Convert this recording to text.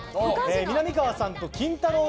みなみかわさんとキンタロー。